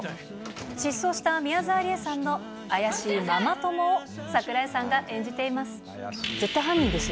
失踪した宮沢りえさんの怪しいママ友を、桜井さんが演じています。